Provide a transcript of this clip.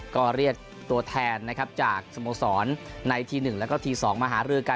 ก็เรียกตัวแทนนะครับจากสโมสรในที๑แล้วก็ที๒มาหารือกัน